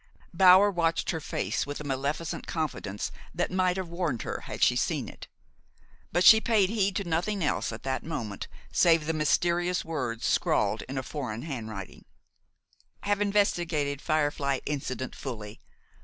Bower watched her face with a maleficent confidence that might have warned her had she seen it. But she paid heed to nothing else at that moment save the mysterious words scrawled in a foreign handwriting: "Have investigated 'Firefly' incident fully.